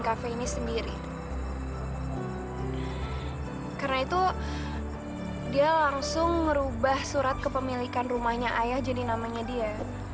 kafe ini sendiri karena itu dia langsung merubah surat kepemilikan rumahnya ayah jadi namanya dia